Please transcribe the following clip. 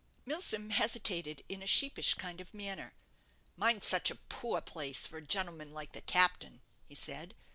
Milsom hesitated in a sheepish kind of manner. "Mine's such a poor place for a gentleman like the captain," he said.